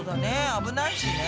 危ないしね。